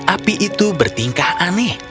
api itu bertingkah aneh